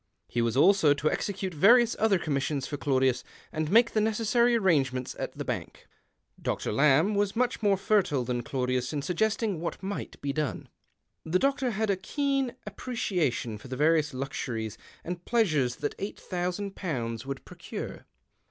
He was also to execute various other commissions for Claudius, and make the necessarv arrangements at the bank. Dr. Lamb was much more fertile than C^laudius in su2;2:estino; what mio ht be done. The doctor had a keen appreciation of the various luxuries and pleasures that eight thousand pounds 120 THE OCTAVE OF CLAUDIUS. would procure.